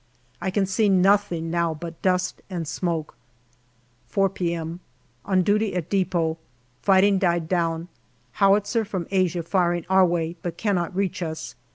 I can see nothing now but dust and smoke. 4 p.m. On duty at depot. Fighting died down. Howitzer from Asia firing our way, but cannot reach us.